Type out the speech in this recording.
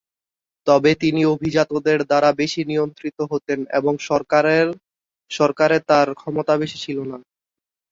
তবে তিনি অভিজাতদের দ্বারা বেশি নিয়ন্ত্রিত হতেন এবং সরকারে তার ক্ষমতা বেশি ছিল না।